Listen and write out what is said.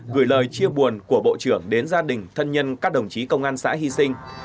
gửi lời chia buồn của bộ trưởng đến gia đình thân nhân các đồng chí công an xã hy sinh